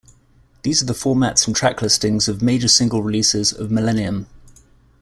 These are the formats and track listings of major single releases of "Millennium".